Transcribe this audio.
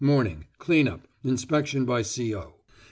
Morning. Cleaning up. Inspection by C.O.